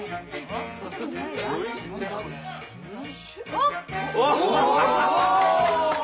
おっ！